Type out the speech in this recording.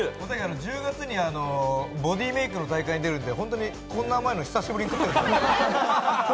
１０月にボディーメイクの大会に出るので、こんな甘いの久しぶり。